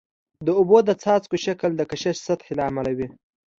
د اوبو د څاڅکو شکل د کشش سطحي له امله وي.